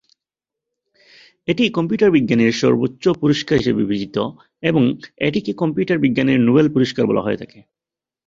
এটি কম্পিউটার বিজ্ঞানের সর্বোচ্চ পুরস্কার হিসেবে বিবেচিত এবং এটিকে কম্পিউটার বিজ্ঞানের নোবেল পুরস্কার বলা হয়ে থাকে।